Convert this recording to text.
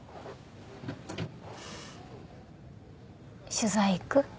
取材行く？